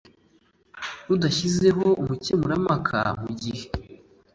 Rudashyizeho umukemurampaka mu gihe